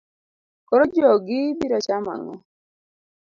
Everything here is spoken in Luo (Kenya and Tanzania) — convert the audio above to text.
Koro jogi biro chamo ang'o?